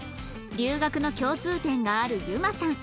留学の共通点がある遊馬さん